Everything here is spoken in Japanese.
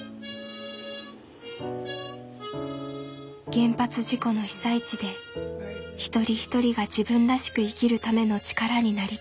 原発事故の被災地で一人一人が自分らしく生きるための力になりたい。